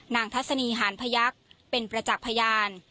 ทัศนีหานพยักษ์เป็นประจักษ์พยาน